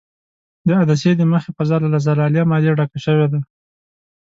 د عدسیې د مخې فضا له زلالیه مادې ډکه شوې ده.